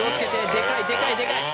でかいでかいでかい。